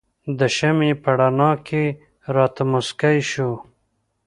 د شمعې په رڼا کې راته مسکی شو.